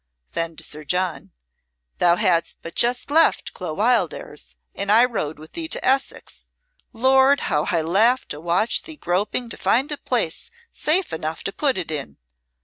Then to Sir John, "Thou hadst but just left Clo Wildairs and I rode with thee to Essex. Lord, how I laughed to watch thee groping to find a place safe enough to put it in.